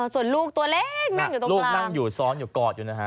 ส่วนลูกตัวเล็กนั่งอยู่ตรงลูกนั่งอยู่ซ้อนอยู่กอดอยู่นะฮะ